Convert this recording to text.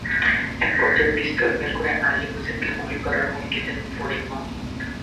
একপর্যায়ে পিস্তল বের করে আলী হোসেনকে গুলি করার হুমকি দেন ফরিদ মাহমুদ।